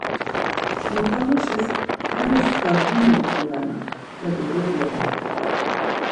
Motamuşis, 'Hamus stadyumi utzumernan.' ya do doguramt̆u.